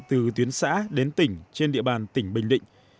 từ tuyến xã đến tỉnh trên địa bàn tỉnh bình định